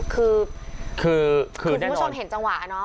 คือคุณผู้ชมเห็นจังหวะเนาะ